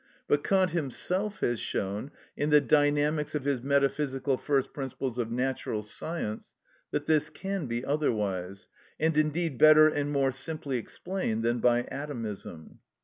But Kant himself has shown, in the dynamics of his "Metaphysical First Principles of Natural Science," that this can be otherwise, and indeed better and more simply explained than by atomism.